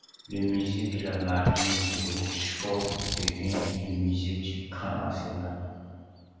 Le musée de la Marine de Rochefort devient le musée du grand arsenal.